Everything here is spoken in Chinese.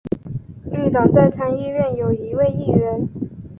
绿党在参议院有一位议员。